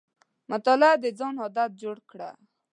مطالعه د ځان عادت جوړ کړه.